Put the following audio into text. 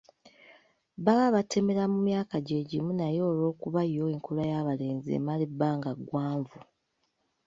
Baba batemera mu myaka gye gimu naye olw'okuba yo enkula y'abalenzi emala ebbanga ggwanvu.